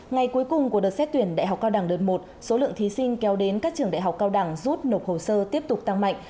ngày cuối cùng của đợt xét tuyển đại học cao đẳng đợt một số lượng thí sinh kéo đến các trường đại học cao đẳng rút nộp hồ sơ tiếp tục tăng mạnh